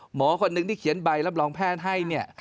หมอคนหนึ่งที่เขียนใบรับรองแพทย์ให้เนี่ย